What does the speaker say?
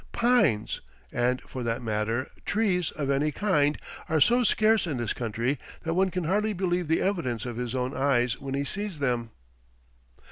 Pines, and, for that matter, trees of any kind, are so scarce in this country that one can hardly believe the evidence of his own eyes when he sees them.